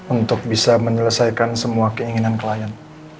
untuk bisa menyelesaikan semua keinginan klien